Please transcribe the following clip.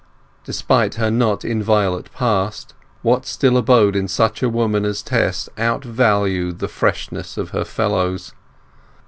Despite her not inviolate past, what still abode in such a woman as Tess outvalued the freshness of her fellows.